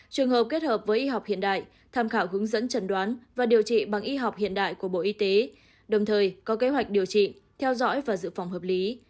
trường hợp kết hợp với y học hiện đại tham khảo hướng dẫn trần đoán và điều trị bằng y học hiện đại của bộ y tế đồng thời có kế hoạch điều trị theo dõi và dự phòng hợp lý